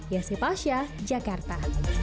yasef asya jakarta